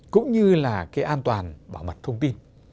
cũng như là cái an toàn bảo mật thông tin